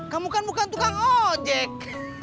kamu kan bukan tukang ojek